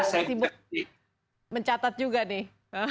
saya sibuk mencatat juga nih